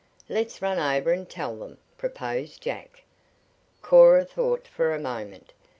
"Let's run over and tell them," proposed Jack. Cora thought for a moment.